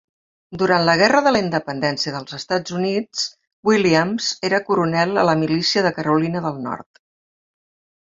Durant la Guerra de la Independència dels Estats Units, Williams era coronel a la milícia de Carolina del Nord.